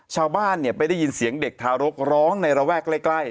ชาวบ้านไปได้ยินเสียงเด็กทารกร้องในระแวกใกล้